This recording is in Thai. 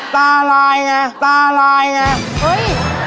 ตารายไงตารายไง